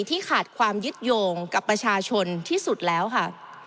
ที่ขาดความยึดโยงกับประชาชนที่สุดแล้วค่ะ